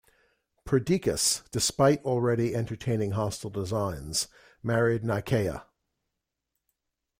Perdiccas, despite already entertaining hostile designs, married Nicaea.